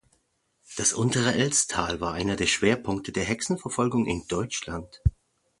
Das untere Elztal war einer der Schwerpunkte der Hexenverfolgung in Deutschland.